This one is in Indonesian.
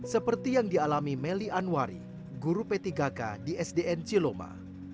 seperti yang dialami meli anwari guru p tiga k di sdn ciloma